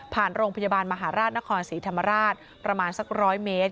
โรงพยาบาลมหาราชนครศรีธรรมราชประมาณสัก๑๐๐เมตร